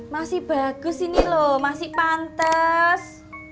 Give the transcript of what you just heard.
masih bagus ini lo masih pantes